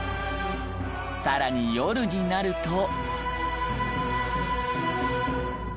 更に夜になると。